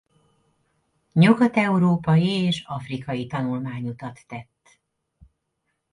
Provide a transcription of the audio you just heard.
Nyugat-európai és afrikai tanulmányutat tett.